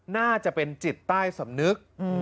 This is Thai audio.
น่าจะเป็นจิตใต้สำนึก